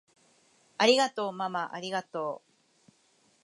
ありがとうままありがとう！